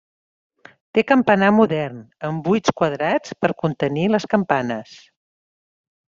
Té campanar modern, amb buits quadrats per contenir les campanes.